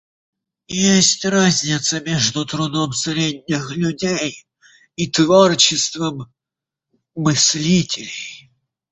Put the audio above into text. Есть разница между трудом средних людей и творчеством мыслителей.